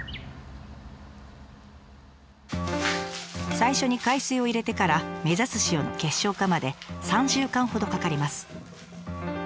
最初に海水を入れてから目指す塩の結晶化まで３週間ほどかかります。